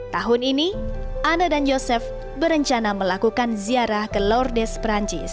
tahun ini ana dan yosef berencana melakukan ziarah ke lordes perancis